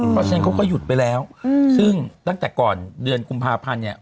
เพราะฉะนั้นเขาก็หยุดไปแล้วซึ่งตั้งแต่ก่อนเดือนกุมภาพันธ์เนี่ย